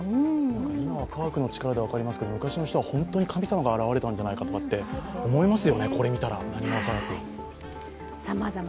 今は科学の力で分かりますけど、昔の人は神様が現れたと思いますよね。